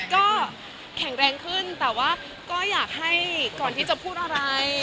ก็แข็งแรงขึ้นแต่ว่าก็อยากให้ก่อนที่จะพูดอะไร